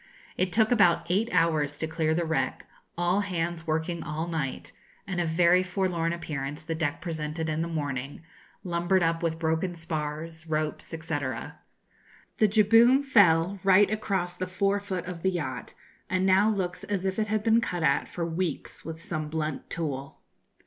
It took about eight hours to clear the wreck, all hands working all night; and a very forlorn appearance the deck presented in the morning, lumbered up with broken spars, ropes, &c. The jibboom fell right across the forefoot of the yacht, and now looks as if it had been cut at for weeks with some blunt tool.